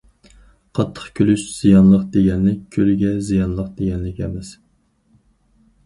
قاتتىق كۈلۈش زىيانلىق دېگەنلىك، كۈلگە زىيانلىق، دېگەنلىك ئەمەس.